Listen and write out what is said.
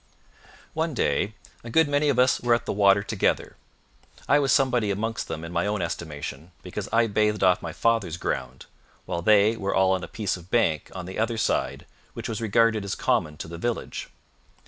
One day, a good many of us were at the water together. I was somebody amongst them in my own estimation because I bathed off my father's ground, while they were all on a piece of bank on the other side which was regarded as common to the village.